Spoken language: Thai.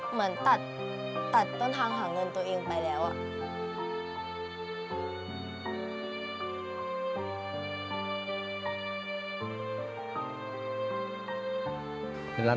เหมือนตัดต้นทางหาเงินตัวเองไปแล้วอะ